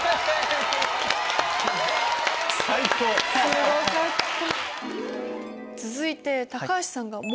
すごかった！